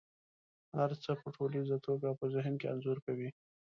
هر څه په ټوليزه توګه په ذهن کې انځور کوي.